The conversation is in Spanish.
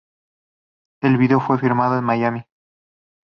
El video fue filmado en Miami.